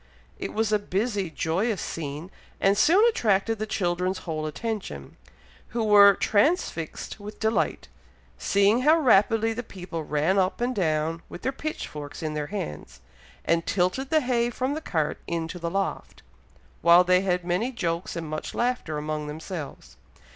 It was a busy joyous scene, and soon attracted the children's whole attention, who were transfixed with delight, seeing how rapidly the people ran up and down, with their pitchforks in their hands, and tilted the hay from the cart into the loft, while they had many jokes and much laughter among themselves.